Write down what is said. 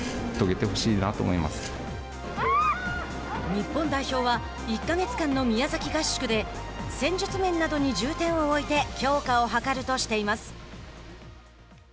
日本代表は１か月間の宮崎合宿で戦術面などに重点を置いて強化を図るとしています。